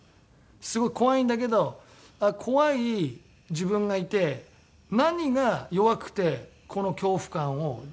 すごい怖いんだけど怖い自分がいて何が弱くてこの恐怖感を自分で体内で生み出してるのか。